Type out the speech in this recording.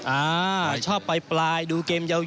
อ่าไม่ชอบไปปลายดูเกมใหญ่